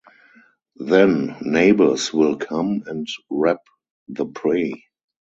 Then neighbors will come and wrap the prey.